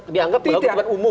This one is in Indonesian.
dianggap bahwa bukan umum